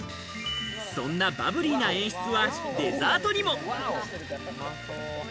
そんなバブリーな演出はデザートにも。